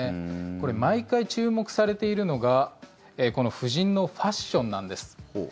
これ、毎回注目されているのが夫人のファッションなんです。